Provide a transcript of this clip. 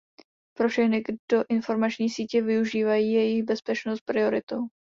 Pro všechny, kdo informační sítě využívají, je jejich bezpečnost prioritou.